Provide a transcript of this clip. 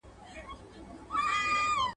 زمونږ هیواد د اقتصاد په برخه کي پرمختګ کړی دی.